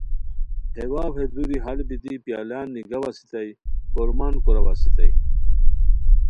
ہے واؤ ہے دوری ہال بیتی پیالان نیگاؤ اسیتائے کورمان کوراؤ اسیتائے